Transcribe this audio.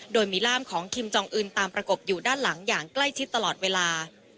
โดยมีร่ามของคิมจองอื่นตามประกบอยู่ด้านหลังอย่างใกล้ชิดตลอดเวลา